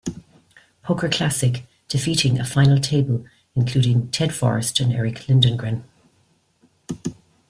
Poker Classic, defeating a final table including Ted Forrest and Erick Lindgren.